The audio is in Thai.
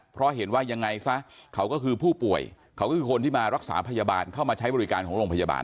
เพราะเห็นว่ายังไงซะเขาก็คือผู้ป่วยเขาก็คือคนที่มารักษาพยาบาลเข้ามาใช้บริการของโรงพยาบาล